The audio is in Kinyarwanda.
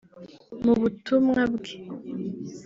Mu butumwa bwe